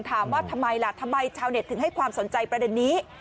ถามว่าทำไมล่ะทำไมชาวเน็ตถึงให้ความสนใจประเด็นนี้